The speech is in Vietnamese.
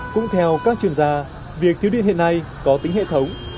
cũng theo các chuyên gia việc thiếu điện hiện nay có tính hệ thống